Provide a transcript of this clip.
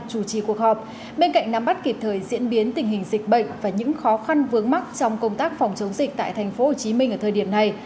chủ trì cuộc họp bên cạnh nắm bắt kịp thời diễn biến tình hình dịch bệnh và những khó khăn vướng mắt trong công tác phòng chống dịch tại tp hcm ở thời điểm này